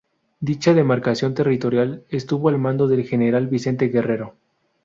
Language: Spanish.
Dicha demarcación territorial estuvo al mando del General Vicente Guerrero.